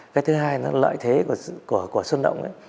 cái thứ hai là lợi thế của sơn động